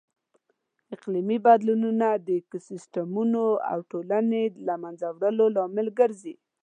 اقلیمي بدلونونه د ایکوسیسټمونو او ټولنو د لهمنځه وړلو لامل ګرځي.